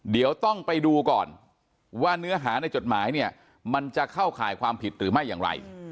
เดี๋ยวต้องไปดูก่อนว่าเนื้อหาในจดหมายเนี่ยมันจะเข้าข่ายความผิดหรือไม่อย่างไร